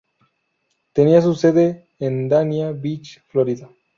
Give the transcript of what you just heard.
Tenía su sede en Dania Beach, Florida.